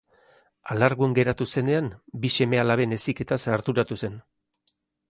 Alargun geratu zenean, bi seme-alaben heziketaz arduratu zen.